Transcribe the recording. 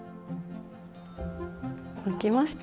できました！